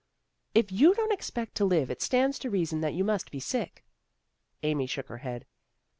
"" If you don't expect to live, it stands to reason that you must be sick." Amy shook her head.